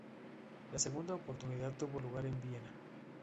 La segunda oportunidad tuvo lugar en Viena.